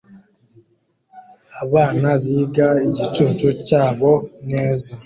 Abana biga igicucu cyabo neza